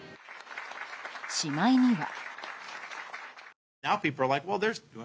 しまいには。